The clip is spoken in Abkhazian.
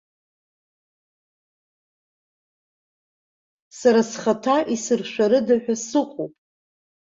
Сара схаҭа исыршәарыда ҳәа сыҟоуп.